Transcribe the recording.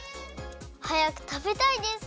はやくたべたいです。